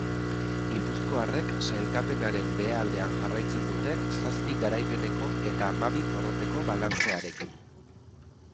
Gipuzkoarrek sailkapenaren behealdean jarraitzen dute zazpi garaipeneko eta hamabi porroteko balantzearekin.